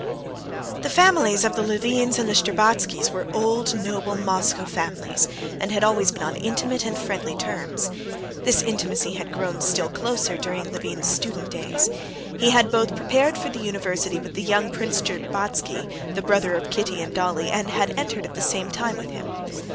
The families of the Levins and the Shtcherbatskys were old, noble Moscow families, and had always been on intimate and friendly terms. This intimacy had grown still closer during Levin's student days. He had both prepared for the university with the young Prince Shtcherbatsky, the brother of Kitty and Dolly, and had entered at the same time with him.